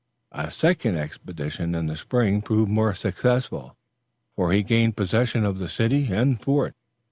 A second expedition in the Spring proved more successful, for he gained possession of the city and fort.